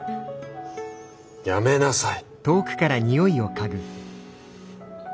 やめなさい。